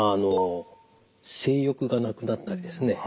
性欲がなくなったりですね